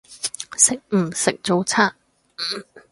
食唔食早餐？